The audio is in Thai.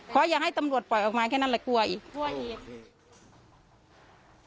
ขออย่างให้ตำรวจปล่อยออกมาแค่นั้นเลยกลัวอีก